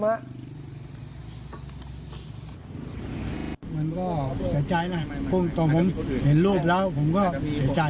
มันก็เศร้าใจนะตอนผมเห็นรูปแล้วผมก็เศร้าใจ